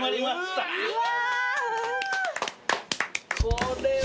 これは。